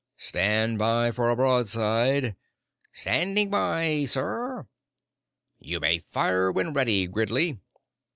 "Stand by for a broadside!" "Standing by, sir!" "You may fire when ready, Gridley!"